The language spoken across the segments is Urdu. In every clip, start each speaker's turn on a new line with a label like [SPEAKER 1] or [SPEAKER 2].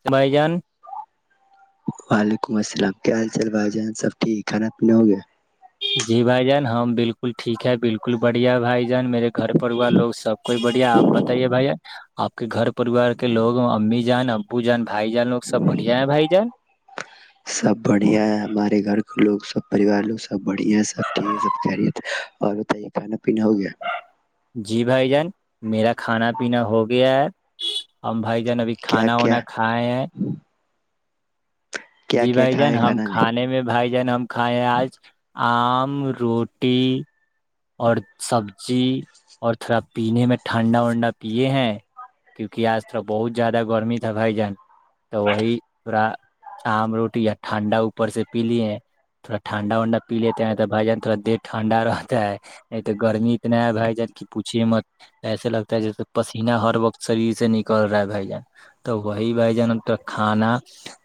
[SPEAKER 1] س بائی جان
[SPEAKER 2] وعلیکم السلام کیا حال چال بھائی جان سب ٹھیک کھانا پنے ہو گیا
[SPEAKER 1] جی بھائی جان ہاں بالکل ٹھیک ہے بالکل بڑھیا ہے بھائی جان میرے گھر پریوار لوگ سب کوئی بڑھیا آپ بتائیے بھائی آپ کے گھر پریوار کے لوگ امی جان ا پوجا [unintelligible]
[SPEAKER 2] سب بڑھیا ہے ہمارے گھر کے لوگ سب پریوار لوگ سب بڑھیا سب ٹھیک ہے سب کہہ رہیے تھے اور بتائیے کھانا پینا ہو گیا
[SPEAKER 1] جی بھائی جان میرا کھانا پینا ہو گیا ہے ہم بھائی جان ابھی
[SPEAKER 2] کیا
[SPEAKER 1] کھانا
[SPEAKER 2] کیا
[SPEAKER 1] وانا کھائے ہیں
[SPEAKER 2] کیا
[SPEAKER 1] جی
[SPEAKER 2] کیا
[SPEAKER 1] بھائی جان
[SPEAKER 2] کھائے
[SPEAKER 1] ہم
[SPEAKER 2] کھانا
[SPEAKER 1] کھانے میں بھائی جان ہم کھائے ہیں آج آم روٹی اور سبزی اور تھوڑا پینے میں ٹھنڈا ونڈا پیے ہیں کیونکہ آج تھوڑا بہت زیادہ گرمی تھا بھائی جان تو وہی تھوڑا آم روٹی یا ٹھنڈا اوپر سے پی لیے تھوڑا ٹھنڈا وڈا پی لیتے ہیں تو بھائی جان تھوڑا دیر ٹھنڈا رہتا ہے نہیں تو گرمی اتنا ہے بھائی جان کی پوچھیے مت ایسے لگتا ہے جیسے پسینہ ہر وقت شریر سے نکل رہا ہے بھائی جان تو وہی بھائی جان ہما کھانا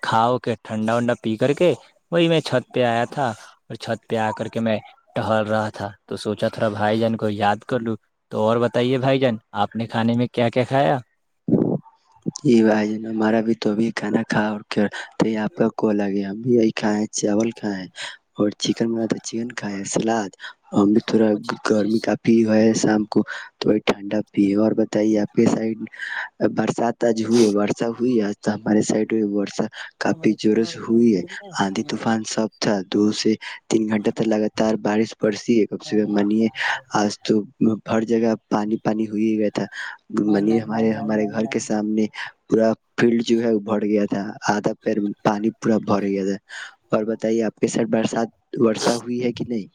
[SPEAKER 1] کھاؤ کے ٹھنڈا ونڈا پی کر کے وہی میں چھت پہ آیا تھا اور چھت پہ آ کر کے میں ٹہل رہا تھا تو سوچا تھوڑا بھائی جان کو یاد کر لوں تو اور بتائیے بھائی جان آپ نے کھانے میں کیا کیا کھایا
[SPEAKER 2] یہ بھائی جن ہمارا بھی تو بھی کھانا کھا اور کیا یہ آپ کا کوال آ گیا کھ ہے چاول کھ ہے اور چکن بناتا چکن کھائے سلاد ہم نے تھوڑا گرمی کافی ہے شام کو تو ب ٹھنڈا پیے اور بتائیے آپ کے سائڈ برسات ج ہوئی ہے واٹسپ ہوئی ہے ہمارے سائٹ واسپ کافی زور سے ہوئی ہے آندھی طوفان سب تھا دو سے تین گھنٹہ ت لگاتار بارش پڑتی ہے کم سے کم منی آج تو ہر جگہ پانی پانی ہوئی ہی گیا تھا منی ہمارے ہمارے گھر کے سامنے پورا فیلڈ جو ہے بھر گیا تھا کیا [unintelligible] آدھا پیر پانی [unintelligible] پورا با رہی گ تھا ہے اور بتائیے آپ کے سر برسات ورشا ہوئی ہے کہ نہیں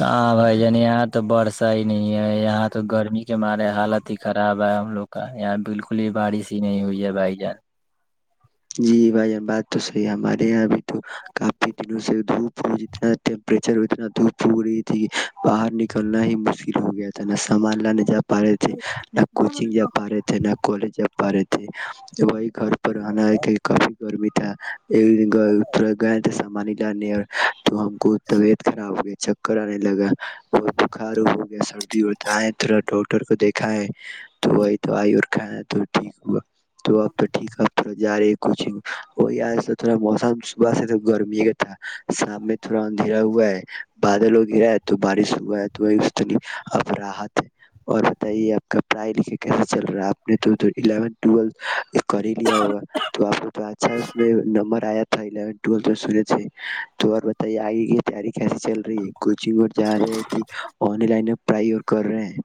[SPEAKER 1] ہاں بھائی جان یہاں تو برس صح ہی نہیں ہے یہاں تو گرمی کے مارے حالت ہی خراب ہے ہم لوگ کا یہاں بالکل ہی بارش ہی نہیں ہوئی ہے بھائی جان
[SPEAKER 2] جی بھائی جان بات تو صحی ہے ہمارے یہاں ابھی تو کافی دنوں سے دھوپ جتنا ٹیمپریچر اتنا دھوپ ہو رہی تھی باہر نکلنا ہی مشکل ہو گیا تھا نہ سامان لا جا نہ کوچنگ رہے تھ نہ کالج رہی تھے جبائی گھر [inaudible] [inaudible] گرمی تھا ایک سام تو ہم کو طبیعت خراب ہو گئی چکر آنے لگا وہ بخار ہو گیا سردی ورد آئے تھڑا ڈاکٹر کو دیکھا ہے تو وہی دوائی اور کھائے تو ٹھیک ہوا تو آپ پہ ٹھیک آپ جا رہے کچ وہی آج سے تھوڑا موسم صبح سے تو گرمی سام تھورا اندھیرا بادلوں گرا ہے تو بارش ہوا ہے تو ا ر ہے اور بتائیے آپ کا پڑھائی لے کیسے چل رہا ہے آپ نے توون لیا ہوگا تو آ کو اچھا اس میں نمبر آیا تھا ون تو اور بتائیے آگے کی تیاری کیسی چل رہی ہے کوچنگ جا رہے ہے کہ آ لائن پڑھائی اور کر رہے ہیں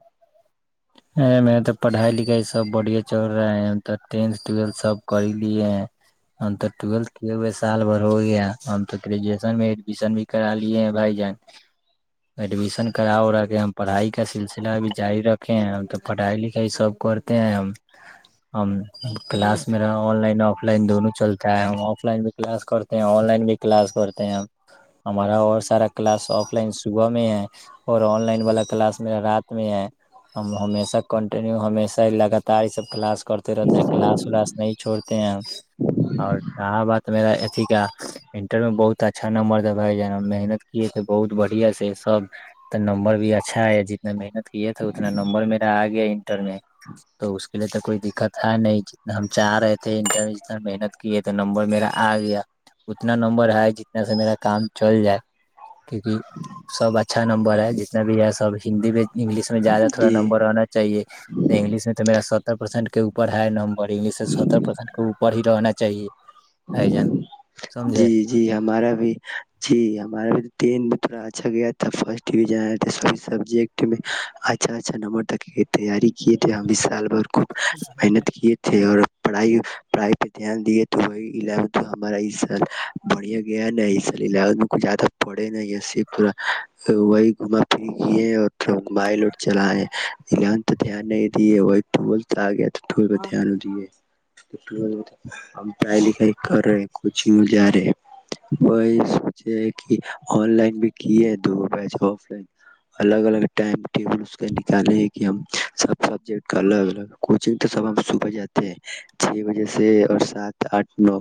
[SPEAKER 1] تو پڑھائی لکھائی سب بڑے چڑ رہا ہے تو ٹینتھ ٹویلھ سب کر ہی لیے ہیں ہم تو ٹولھ کیے ہوئے سال بھر ہوگیا ہم تو گریجویشن میں ایڈمیشن بھی کرا لیے ہیں بھائی جان ایڈمیشن کرا را کے ہم پڑھائی کا سلسلہ بھی جاری رکھ تو پڑھائی لکھائی سب کرتے ہیں ہم ہم کلاس میرا آن لائن آف لائن دونوں چلتا ہے ہم آف لائن بھی کلاس کرتے ہیں آن لائن بھی کلاس کرتے ہیں ہمارا اور سارا کلاس آف لائن صبح میں ہے اور آن لائن والا کلاس میرا رات میں ہے ہم ہمیشہ کنٹینیو ہمیشہ لگاتار یہ سب کلاس کرتے رہتے ہیں کلاس ولاس نہیں چھوڑتے ہیں اور رہا بات میرا اھی کیا انٹر میں بہت اچھا نمبر جا محنت کیے تھے بہت بڑھیا سے سب نمبر بھی اچھا ہے جتنے محنت کیے تھ تھا اتنا نمبر میرا آ گیا انٹر میں تو اس کے لیے تو کوئی دقت ہے نہیں جتنا ہم چاہ رہے تھے انٹر میں جتنا محنت کیے تو نمبر میرا آ گیا اتنا نمبر ہے جتنا سے میرا کام چل جائے کیوںکہ سب اچھا نمبر ہے جتنا بھی سب ہندی میں انگلش میں پھا
[SPEAKER 2] جی
[SPEAKER 1] نمبر آنا چاہیے انگلش میں تو میرا ستر پرسینٹ کے اوپر ہے اورگش ستر پردان کو پڑ ہی رہنا چاہیے بھائی جان سمجھے
[SPEAKER 2] جی جی ہمارا بھی جی ہمارا بھی ٹین میں تھوڑا اچھا گیا تھا فرسٹ ڈویژن آیا تھاے سب سبجیکٹ میں اچھا اچھا نمبر تک کے تیاری کیے تھے ہم بھی سال بھر خوب محنت کیے تھے اور پڑھائی پڑھائی پہ دھیان دیے تو وہی الیونت ہمارا اس سال بڑھیا گیا نا اس سال الیونتھ میں کھ زیادہ پڑے نہیںے پورا وہی گھما پری کیے اور پ گھائے لوٹ چلائے الیونھ تو دھیان نہیں دیے وہ ٹل آ گیا تھوڑے بتھی آل ہوجے ہمائ کر رہے کوچنگ جا رہے وہی سوچے ہے کہ آن لائن بھی کی ہے دو بیچ آف لائن الگ الگ ٹائم ٹیبل اس کا نکالے ہیں کہ ہم سب سبجیکٹ کا الگ الگ کوچنگ تو سب ہم صبح جاتے ہیں چھ بجے سے اور سات آٹھ لو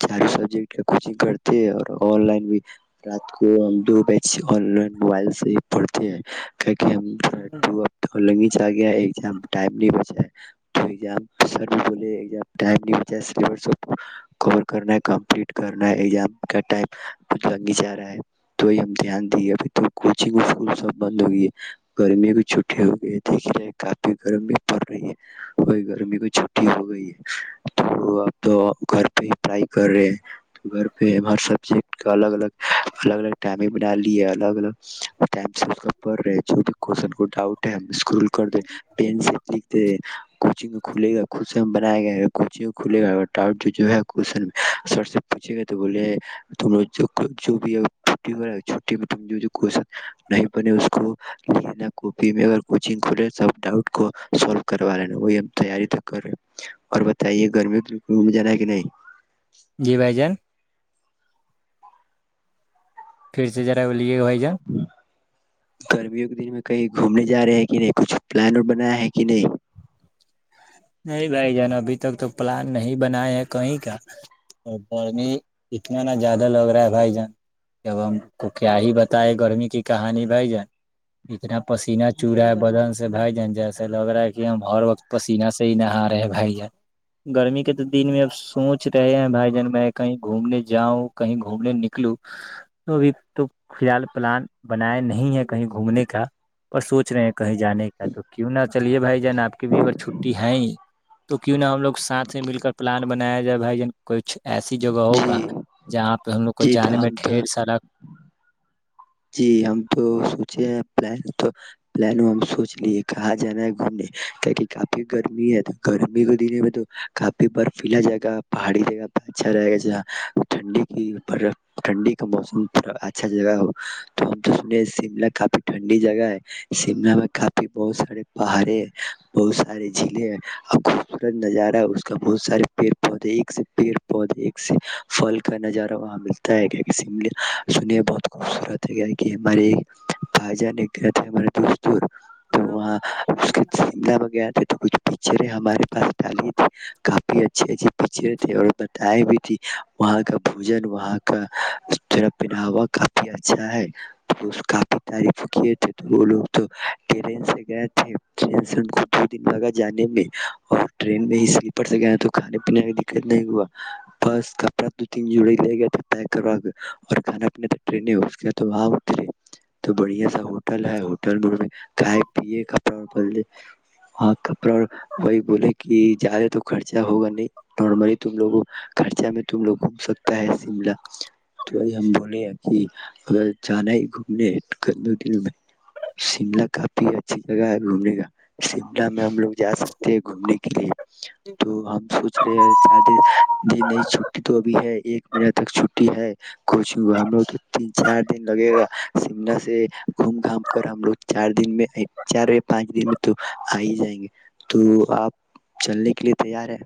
[SPEAKER 2] چار سو س کوچنگ کرتے ہیں اور آن لائن بھی رات کو دو بیچ آن لائن موبائل سے ہی پڑھتے ہیں ہم ٹو ہ لیں گی گ ٹائم نہیں بچ سر بھی بولے ٹم ب س ک کرنا کمپٹ کرنا ہے ایام کا ٹائم لگ جا رہا ہے تو ہم د دیے اب تو کوچنگ اسکول سب بند ہو گئی گرمی کی چ ہو گئی دیکا کافی گرمی پڑ رہی ہے وہ گرمی کی چٹی ہو گئی ہے تو تو گھر پہ ہی پڑھائی کر رہے ہیں تو گھر پہ ہر سبجیکٹ کا الگ الگ الگ الگ ٹائمگ بنا لیے الگ الگ ٹائم سے اس کا پڑھ رہے ہے جو بھی کوشچن کو ڈاؤٹ ہے ہم اسکرول کر دیں پین سے لکھ د کوچنگ کھلے گا خوش ہم بنایا گیا کچی کھلے گا ڈن سر سے پوچھے گئے بولے بھی چا چن نہیں بنے اس کو لیناپی میں کوچگ ک سب ڈٹ کو س کروا لینا وہی ہم تیاری تو کر رہے اور بتائیے گر ہ بھی ج رہا ہے کہ نہیں
[SPEAKER 1] جی بھ جان پھر سے جا
[SPEAKER 2] گرمیوں کے دن میں کہیں گھومنے ج رہے ہیں کہ نہیں کچھ پلان اور بنایا ہے کہ نہیں
[SPEAKER 1] نہیں بھائی جان ابھی تک تو پلان نہیں بنائے ہیں کہیں کا اور گرمی اتنا نہ زیادہ لگ رہا ہے بھائی جان جب ہم کو کیا ہی بتائے گرمی کی کہانی بھائی جان اتنا پسینہ چ رہا ہے بدن سے بھائی جان جیسا لگ رہا ہے کہ ہم ہر وقت پسینہ ی نہ آار رہے ہیں بھائی جان گرمی کے تو دن میں اب سوچ رہے ہیں بھائی جان میں کہیں گھومنے جاؤں کہیں گھومنے نکلوں تو ابھی تو فی الحال پلان بناائے نہیں ہے کہیں گھومنے کا پر سوچ رہے ہیں کہیں جے کا تو کیوں نہ چلیے بھائی جان آ کی بھی اگر چھ نہیں تو کیوں نہا ہم لوگ ساتھ ہی مل کر پلان بنایا جائے بھائی جان کچھ ایسی جگہ ہوگا
[SPEAKER 2] جی
[SPEAKER 1] جہاں پہ ہم لوگ کو
[SPEAKER 2] جی
[SPEAKER 1] جانے
[SPEAKER 2] تو
[SPEAKER 1] میں
[SPEAKER 2] ہم تو
[SPEAKER 1] ڈھیر سارا
[SPEAKER 2] جی ہم تو سوچے ہیں پل تو پلان ہم سوچ لیے کہاں جانا ہے گھومنے کی کہ کافی گرمی ہے تو گرمی کے دنے میں تو کافی برفیلا جائے گا پہاڑی جگہ اچھا رہے گا ج ٹھنڈی کی برف ٹھنڈی کا موسم اچھا جگہ ہو تو ہم تو سنے شملا کافی ٹھنڈی جگہ ہے شملہ میں کافی بہت سارے پہاڑے بہت سارے جلے ہیں اور خوبصورت نظارہ ہے اس کا بہت سارے پیڑ پودے ایک سے پیڑ پودے ایک سے پھل کا نظارہ وہاں ملتا ہے شم سنی بہت خوبصورت ہے کہ ہمارے ب جا نہیں کیا ت م دور تو وہاں اس کے چ ب گیا تو کچھ پکچر ہمارے پاس ڈالی تھی کافی اچھے اچے پچر تھے اور بتائے بھی تھی وہاں کا بھوجن وہاں کا پہناوا کاف اچھا ہے وہ کافی تعریف کیے تھے تو وہ لوگ تو ٹرین سے گئے تھے ٹرین سے ان کو دو دن لگا جانے میں اور ٹرین میں ہی سلیپر سے گئے تو کھانے پینے کا دقت نہیں ہوا بس کپڑا دو تین جوڑے لے گئے تھے پیک کروا اور کانا پنے ٹن تو وہاں اترے تو بڑھیا سا ہوٹل ہے ہوٹل گ پیے کپڑا اور پلے ہاں کپڑا وہی بولے کہ زیادہ تو خرچہ ہوگا نہیں نارملی تم لوگ خرچہ میں تم لوگ گھوم سکتا ہے شملہ تو وہی ہم بولے کہ اگر جانا ہی گھومنےن میں شملہ کافی اچھی جگہ ہے گھومنے کا شملہ میں ہم لوگ جا سکتے ہیں گھومنے کے لیے تو ہم سوچ رہے ہیں نہیں چھٹی تو ابھی ہے ایک مین تک چھٹی ہے کوچنگ ہم لوگ تو تین چار دن لگے گا شملہ سے گھوم گھام کر ہم لوگ چار دن میں چار پانچ دن میں تو آ ہی جائیں گے تو آپ چلنے کے لیے تیار ہے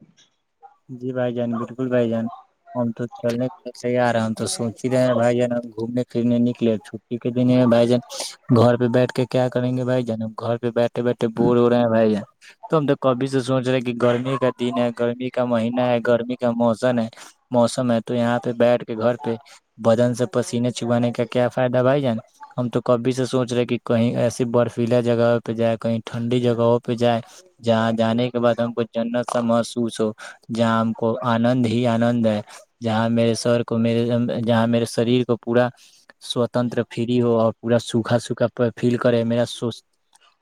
[SPEAKER 1] جی بھائی جان بالکل بھائی جان ہم تو چلنے کے لیے تیار ہیں ہم تو سوچ ہی رہے ہیں بھائی جان ہم گھومنے پھرنے نکلے چھٹی کے دن ہے بھائی جان گھر پہ بیٹھ کے کیا کریں گے بھائی جان گھر پہ بیٹھے بیٹھے بور ہو رہے ہیں بھائی جان تو ہم تو کبھی سے سوچ رہے کہ گرمی کا دن ہے گرمی مو موسم ہے تو یہاں پہ بیٹھ کے گھر پہ بدن سے پسینے چکانے کا کیا فائدہ بھائی جان ہم تو کبھی سے سوچ رہے کہ کہیں ایسی برفیلا جگہ پہ جائے کہیں ٹھنڈی جگہوں پہ جائے جہاں جانے کے بعد ہم کو جنت سا محسوس ہو جہاں ہم کو آنند ہی آنند ہے جہاں میرے سر کو میرے جہاں میرے شریر کو پورا سوتنتر فری ہو اور پورا سوکھا سوکھا فیل کرے میراو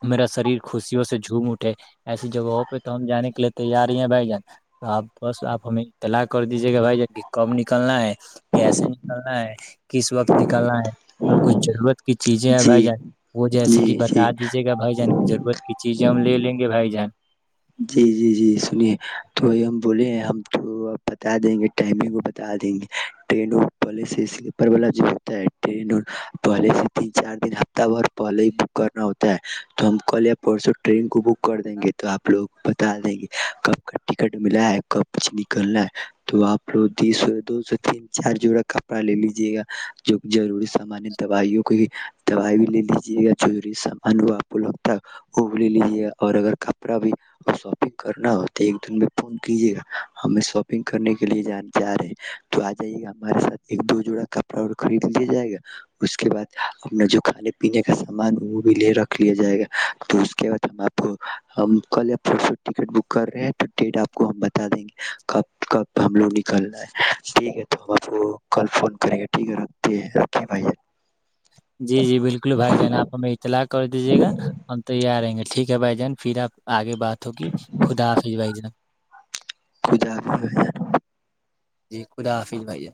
[SPEAKER 1] میرا شریر خوشیوں سے جھوم اٹھے ایسی جگہوں پہ تو ہم جانے کے لیے تیار ہی ہیں بھائی جان تو آپ بس آپ ہمیں اطلاع کر دیجیے کہ بھائی کب نکلنا ہے کیسے نکلنا ہے کس وقت نکلنا ہے اور کچھ ضرورت کی چیزیں ہیں
[SPEAKER 2] جی
[SPEAKER 1] بھائی جان وہ جیسے کہ
[SPEAKER 2] جی جی
[SPEAKER 1] بتا دیجیے گا بھائی جان ضرورت کی چیزیں ہم لے لیں گے بھائی جان
[SPEAKER 2] جی جی جی سنیے تو ہم بولے ہیں ہم تو بتا دیں گے ٹائمنگ وہ بتا دیں گے ٹنوں پہلے سے سلیپر والا ج ہوتا ہے ٹرین پہلے سے تین چار دن ہفتہ بھر پہلے ہی بک کرنا ہوتا ہے تو ہم کل یا پرسوں ٹرین کو بک کر دیں گے تو آپ لوگ بتا دیں گے کب کا ٹکٹ ملا ہے کب کچھ نکلنا ہے تو آپ لوگ سو دو سو تین چار جوڑا کپڑا لے لیجے گا جو ضروری سامان دوائیوں کی دوائی بھی لے لیجیے گاروری سامان وہ آپ لوگ ت وہ لے لیجے گا اور اگر کپڑا بھی اور شاپنگ کرنا ہو تو ایک دن میں فون کیجیے گا ہمیں شاپنگ کرنے کے لیے جان جا رہے ہیں تو آ جائیے گا ہمارے ساتھ ایک دو جوڑا کپڑا و خرید لیا جائے گا اس کے بعد اپنا جو کھانے پینے کا سامان وہ بھی لے رکھ لیا جائے گا تو اس کے بعد ہم آپ کو ہم کل پھر ٹکٹ بک کر رہے ہیں تو ڈیٹ آپ کو ہم بتا دیں گے کب کب ہم لوگ نکلنا ہے ٹھیک ہے تو ہم آپ کو کل فون کریں گے ٹھیک ہے ر
[SPEAKER 1] جی جی بالکل بھائی جان آپ ہمیں اطلاع کر دیجیے گا ہم تیار آ رہیں گے ٹھیک ہے بھائی جان پھر آپ آگے بات ہوگ خدا حافظ بھائی جناب
[SPEAKER 2] خدا حافظ
[SPEAKER 1] جی خدا حافظ بھیا